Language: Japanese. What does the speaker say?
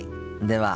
では。